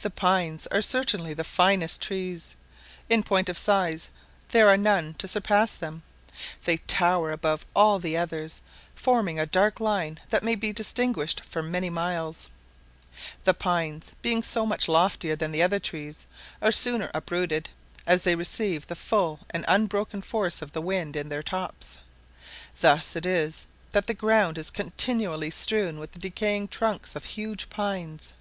The pines are certainly the finest trees. In point of size there are none to surpass them. They tower above all the others, forming a dark line that may be distinguished for many miles. The pines being so much loftier than the other trees, are sooner uprooted, as they receive the full and unbroken force of the wind in their tops; thus it is that the ground is continually strewn with the decaying trunks of huge pines.